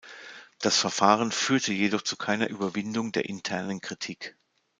Das Verfahren führte jedoch zu keiner Überwindung der internen Kritik.